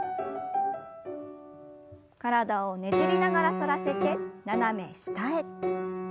体をねじりながら反らせて斜め下へ。